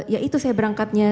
ya itu saya berangkatnya